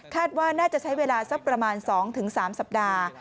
ว่าน่าจะใช้เวลาสักประมาณ๒๓สัปดาห์